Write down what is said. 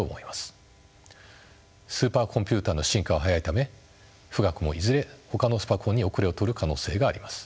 スーパーコンピュータの進化は速いため富岳もいずれほかのスパコンに後れを取る可能性があります。